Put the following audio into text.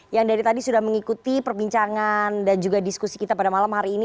yang dari tadi sudah mengikuti perbincangan dan juga diskusi kita pada malam hari ini